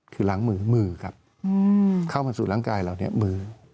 คือล้างมือมือครับเข้ามาสู่ร่างกายเราเนี่ยมือ